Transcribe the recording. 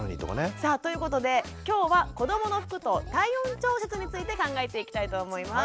さあということで今日は子どもの服と体温調節について考えていきたいと思います。